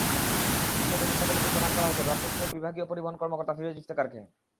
দ্বিতীয় তদন্ত কমিটির প্রধান করা হয়েছে ভারপ্রাপ্ত বিভাগীয় পরিবহন কর্মকর্তা ফিরোজ ইফতেখারকে।